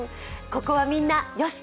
ここはみんな、よし！